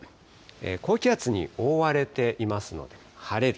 高気圧に覆われていますので晴れる。